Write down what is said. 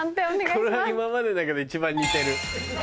これは今までの中で一番似てる。